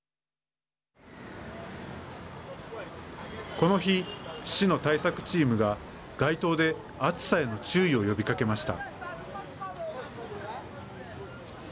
この日、市の対策チームが街頭で暑さへの注意を呼びかけました。